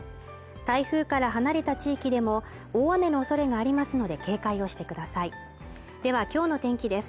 台風から離れた地域でも大雨のおそれがありますので警戒をしてくださいでは今日の天気です